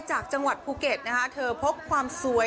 จากจังหวัดภูเก็ตนะคะเธอพกความสวย